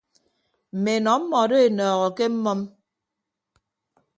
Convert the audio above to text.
Mme enọ mmọdo enọọho ke mmʌm.